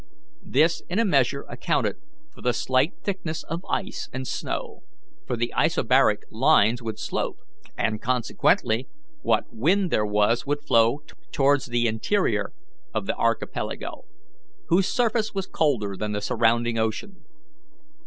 This in a measure accounted for the slight thickness of ice and snow, for the isobaric lines would slope, and consequently what wind there was would flow towards the interior of the archipelago, whose surface was colder than the surrounding ocean.